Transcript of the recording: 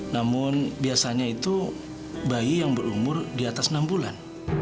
namun biasanya itu bayi yang berumur diatas enam bulan